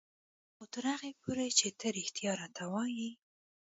خو تر هغې پورې چې ته رښتيا راته وايې.